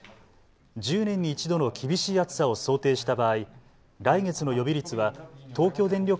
１０年に１度の厳しい暑さを想定した場合、来月の予備率は東京電力